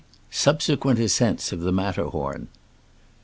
SUBSEQUENT ASCENTS OF THE MAT TERHORN.